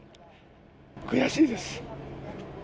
悔しいです。